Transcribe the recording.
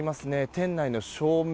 店内の照明